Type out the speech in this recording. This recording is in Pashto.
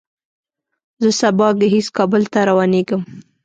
زه سبا ګهیځ کابل ته روانېږم.